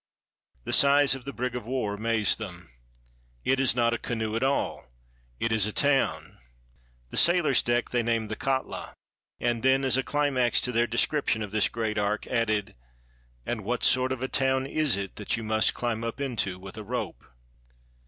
The size of the brig of war amazed them. "It is not a canoe at all; it is a town!" The sailors' deck they named the "Kotla"; and then, as a climax to their description of this great ark, added, ^'And what sort of a town is it that you must climb up into with a rope?"